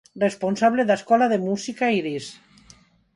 Responsable da Escola de Música Eirís.